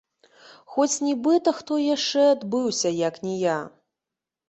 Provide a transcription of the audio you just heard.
Хоць нібыта хто яшчэ адбыўся, як ні я?!